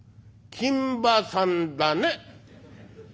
「金馬さんだね」。